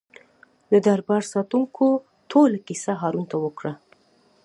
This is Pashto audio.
د دربار ساتونکو ټوله کیسه هارون ته وکړه.